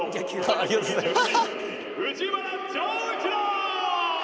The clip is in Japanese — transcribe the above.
ありがとうございます。